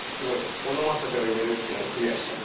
「オノマトペを入れる」っていうのもクリアしちゃって。